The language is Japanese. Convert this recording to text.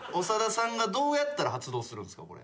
長田さんがどうやったら発動するんすか？